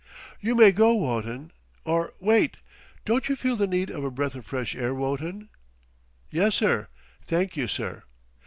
"You may go, Wotton or, wait. Don't you feel the need of a breath of fresh air, Wotton?" "Yessir, thank you, sir."